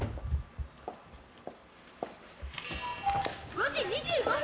「５時２５分」